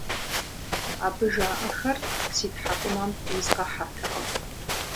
Абы жаӏэхэр си тхьэкӀумэм изгъэхьэртэкъым.